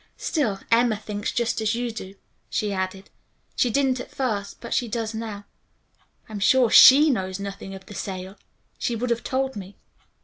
Still, Emma thinks just as you do," she added. "She didn't at first, but she does now. I'm sure she knows nothing of the sale. She would have told me."